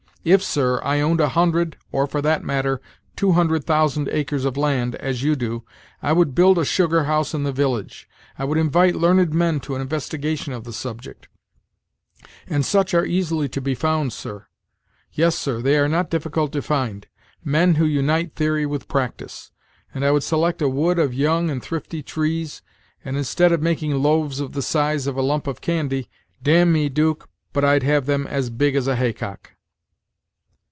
If, sir, I owned a hundred, or, for that matter, two hundred thousand acres of land, as you do. I would build a sugar house in the village; I would invite learned men to an investigation of the subject and such are easily to be found, sir; yes, sir, they are not difficult to find men who unite theory with practice; and I would select a wood of young and thrifty trees; and, instead of making loaves of the size of a lump of candy, dam'me, 'Duke, but I'd have them as big as a haycock."